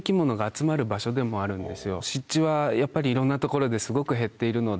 湿地はやっぱりいろんな所ですごく減っているので。